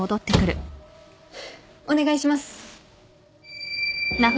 お願いします。